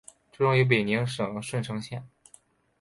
出生于北宁省顺成县。